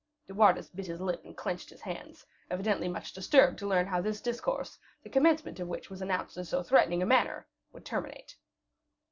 De Wardes bit his lip and clenched his hands, evidently much disturbed to learn how this discourse, the commencement of which was announced in so threatening a manner, would terminate.